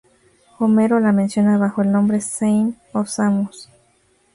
Homero la menciona bajo el nombre Same o Samos.